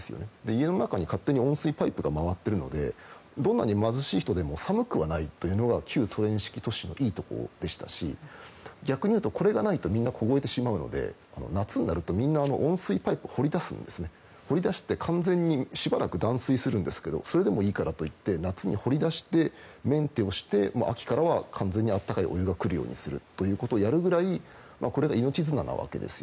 家の中に勝手に温水パイプが回っているのでどんなに貧しい人でも寒くはないというところが旧ソ連式のいいところでしたし逆に言うと、これがないとみんな凍えてしまうので夏になるとみんな温水パイプを掘り出してしばらく断水するんですけどそれでもいいからといって夏に掘り出してメンテをして秋からは完全に温かいお湯が来るようにするということをやるくらいこれが命綱なわけです。